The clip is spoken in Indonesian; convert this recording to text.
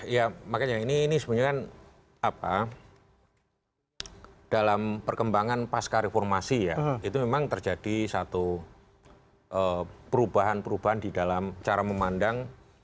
ya makanya ini sebenarnya kan apa dalam perkembangan pasca reformasi ya itu memang terjadi satu perubahan perubahan di dalam cara memandang